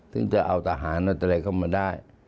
ซึ่งจะเอาทหารแล้วจะเลยเข้ามาได้